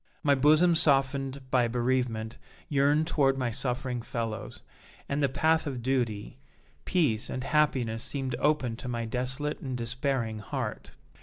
My bosom softened by bereavement yearned toward my suffering fellows, and the path of duty, peace and happiness seemed open to my desolate and despairing heart.